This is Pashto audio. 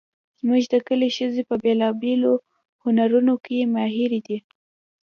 زموږ د کلي ښځې په بیلابیلو هنرونو کې ماهرې دي